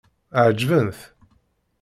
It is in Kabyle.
Ɛeǧben-t?